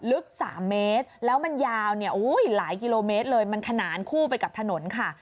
ลึก๓เมตรแล้วมันยาวเนี่ยหลายกิโลเมตรเลยมันขนานคู่ไปกับถนนค่ะ